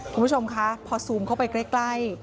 คุณผู้ชมคะพอซูมเข้าไปใกล้